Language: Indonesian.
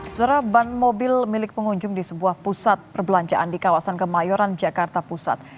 setelah ban mobil milik pengunjung di sebuah pusat perbelanjaan di kawasan kemayoran jakarta pusat